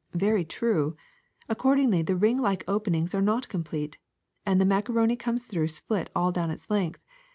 " ''Very true. Accordingly the ring like openings are not complete, and the macaroni comes through split all down its length.